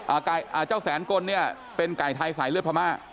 ไก่อ่าเจ้าแสนกลเนี่ยเป็นไก่ไทยสายเลือดพม่า